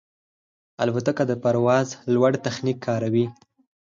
الوتکه د پرواز لوړ تخنیک کاروي.